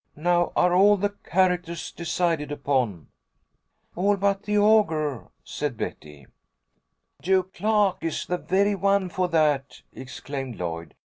Now are all the characters decided upon?" "All but the ogre," said Betty. "Joe Clark is the very one for that," exclaimed Lloyd.